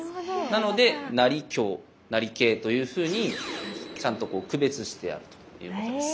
なので成香成桂というふうにちゃんと区別してあるということです。